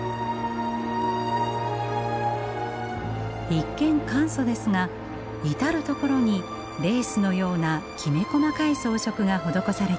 一見簡素ですが至る所にレースのようなきめ細かい装飾が施されています。